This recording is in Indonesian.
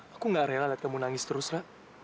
aku gak rela liat kamu nangis terus ra